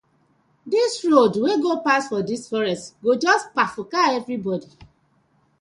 Dis road wey go pass for dis forest go just kpafuka everybodi.